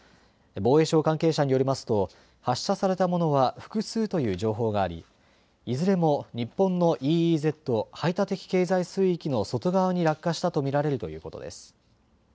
防衛省関係者によりますと発射されたものは複数という情報があり、いずれも日本のＥＥＺ・排他的経済水域の外側に落下したと見られるということです。